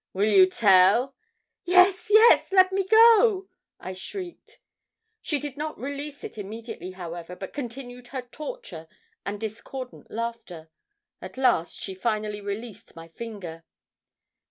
'Will you tell?' 'Yes, yes! let me go,' I shrieked. She did not release it immediately however, but continued her torture and discordant laughter. At last she finally released my finger.